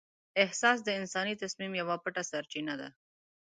احساس د انساني تصمیم یوه پټه سرچینه ده.